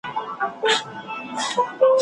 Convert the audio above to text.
تفاهم د کورني ژوند لپاره زيات اثرات لري.